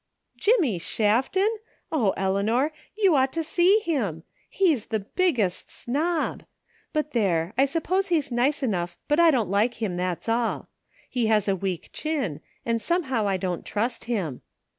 "Jimmy Shafton? Oh, Eleanor! You ought to see him ! He's the biggest snob ! But there ! I sup pose he's nice enough, but I don't like him, that's all. He has a weak chin, and somehow I don't trust him.